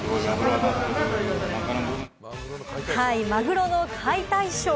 マグロの解体ショー。